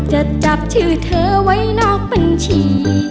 จะจับชื่อเธอไว้นอกบัญชี